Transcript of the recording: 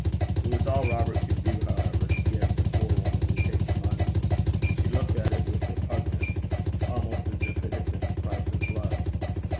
It was all Robert could do, however, to get the poor woman to take the money. She looked at it with repugnance, almost as if it had been the price of blood.